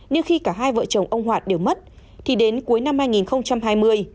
nhưng khi cả hai vợ chồng ông hoạt đều mất thì đến cuối năm hai nghìn hai mươi